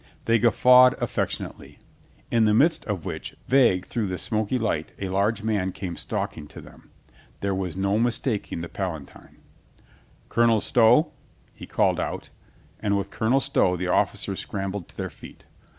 They guf fawed affectionately. In the midst of which, vague through the smoky light, a large man came stalk ing to them. There was no mistaking the Palatine. "Colonel Stow?" he called out, and with Colonel Stow the officers scrambled to their feet.